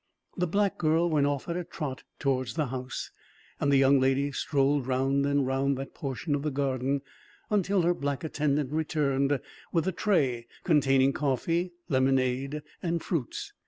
The black girl went off at a trot towards the house, and the young lady strolled round and round that portion of the garden, until her black attendant returned, with a tray containing coffee, lemonade, and fruits.